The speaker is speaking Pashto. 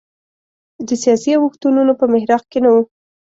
د سیاسي اوښتونونو په محراق کې نه و.